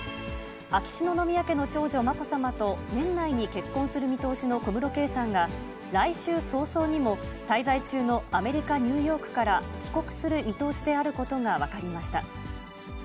秋篠宮家の長女、まこさまと年内に結婚する見通しの小室圭さんが、来週早々にも滞在中のアメリカ・ニューヨークから帰国する見通しであることが分かりました。